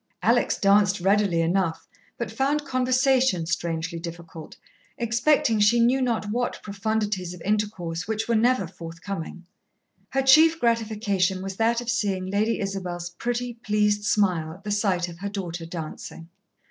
Alex danced readily enough, but found conversation strangely difficult, expecting she knew not what profundities of intercourse which were never forthcoming. Her chief gratification was that of seeing Lady Isabel's pretty, pleased smile at the sight of her daughter dancing.